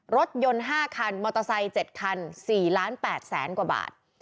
รถยนต์๕คันมอเตอร์ไซค์๗คัน๔๘๐๐๐กว่าบาท